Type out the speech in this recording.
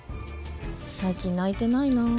最近泣いてないなぁ。